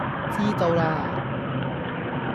知道啦